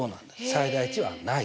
最大値はないと。